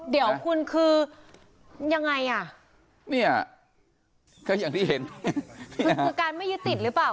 เดี๋ยวคุณคือยังไงอ่ะเนี่ยก็อย่างที่เห็นคือการไม่ยึดติดหรือเปล่า